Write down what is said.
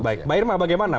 baik mbak irma bagaimana